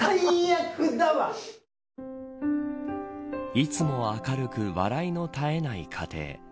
いつも明るく笑いの絶えない家庭。